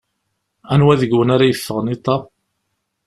Anwa deg-wen ara yeffɣen iḍ-a?